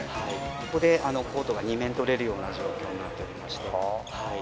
ここでコートが２面とれるような状況になっておりまして。